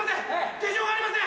手錠がありません。